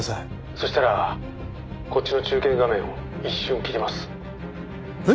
「そしたらこっちの中継画面を一瞬切ります」えっ？